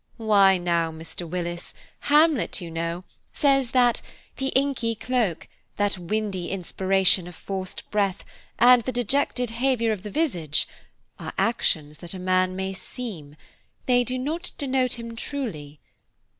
Why now, Mr. Willis, Hamlet, you know, says that 'The inky cloak, That windy inspiration of forced breath, And the dejected 'haviour of the visage,' are actions that a man may seem, they do not 'denote him truly.'